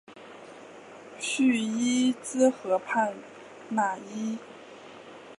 叙伊兹河畔讷伊。